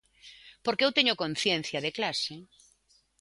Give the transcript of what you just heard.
Porque eu teño conciencia de clase.